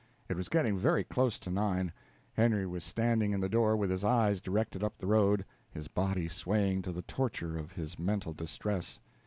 It was getting very close to nine. Henry was standing in the door with his eyes directed up the road, his body swaying to the torture of his mental distress.